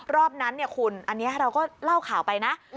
รอบนั้นเนี่ยคุณอันนี้เราก็เล่าข่าวไปนะ